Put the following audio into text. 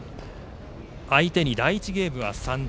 相手に第１ゲームは３点。